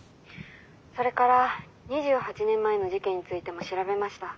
それから２８年前の事件についても調べました。